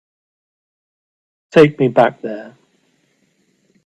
Take me back there.